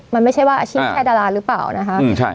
มันไม่ใช่ว่าอาชีพแค่ดาราหรือเปล่านะคะ